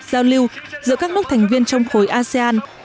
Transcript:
giao lưu giữa các nước thành viên trong khối asean